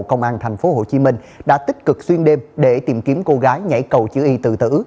công an tp hcm đã tích cực xuyên đêm để tìm kiếm cô gái nhảy cầu chữ y tự tử